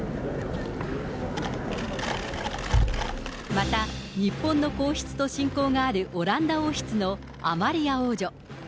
また、日本の皇室と親交のあるオランダ王室のアマリア王女。